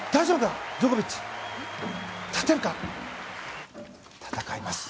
立てるか戦います。